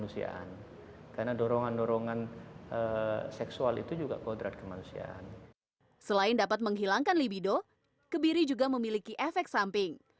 selain dapat menghilangkan libido kebiri juga memiliki efek samping